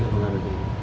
tidak ada pengaruhnya